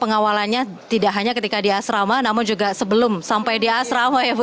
pengawalannya tidak hanya ketika di asrama namun juga sebelum sampai di asrama ya bu